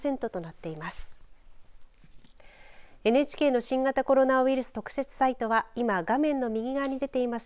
ＮＨＫの新型コロナウイルス特設サイトは今、画面の右側に出ています